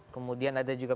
kemudian ada juga